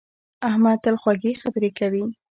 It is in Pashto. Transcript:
احمد تل خوږې خبرې کوي.